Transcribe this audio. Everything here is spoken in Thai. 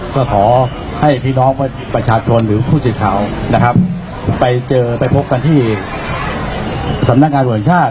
ก็ขอให้พี่น้องประชาชนหรือผู้สิทธิ์ขาวไปพบกันที่สำนักงานโดยชาติ